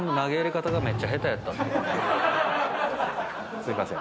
すいません。